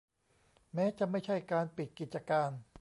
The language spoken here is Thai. แม้จะไม่ใช่การปิดกิจการ